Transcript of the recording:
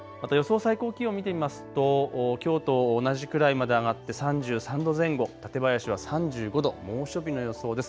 また予想最高気温、見てみますときょうと同じくらいまで上がって３３度前後、館林は３５度、猛暑日の予想です。